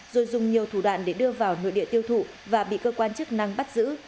rồi dùng nhiều thủ đoạn để đưa vào nội địa tiêu thụ và bị cơ quan chức năng bắt giữ